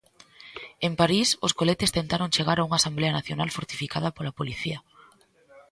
En París os coletes tentaron chegar a unha Asemblea Nacional fortificada pola policía.